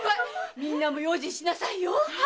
みんなも用心しなさいよ。